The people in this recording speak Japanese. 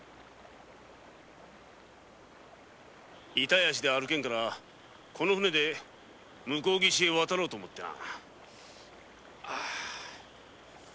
痛い足では歩けぬからこの舟で向こう岸へ渡ろうと思ってな。